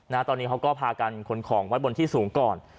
ตอนนี้เขาก็พากันขนของไว้บนที่สูงก่อน